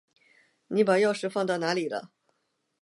你把钥匙放到哪里了？